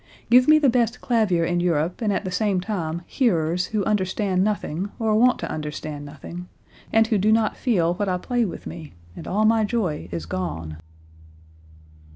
Give me the best clavier in Europe and at the same time hearers who understand nothing or want to understand nothing, and who do not feel what I play with me, and all my joy is gone."